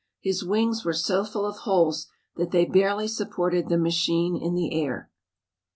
His wings were so full of holes that they barely supported the machine in the air.